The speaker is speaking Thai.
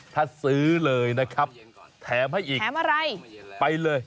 ถ้าซื้อเลยนะครับแถมให้อีกไปเลย